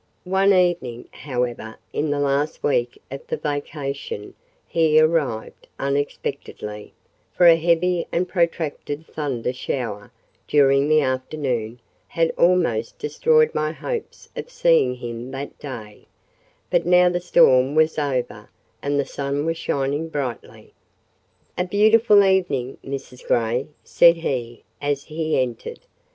One evening, however, in the last week of the vacation, he arrived—unexpectedly: for a heavy and protracted thunder shower during the afternoon had almost destroyed my hopes of seeing him that day; but now the storm was over, and the sun was shining brightly. "A beautiful evening, Mrs. Grey!" said he, as he entered.